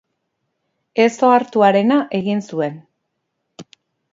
Ez ohartuarena egin zuen.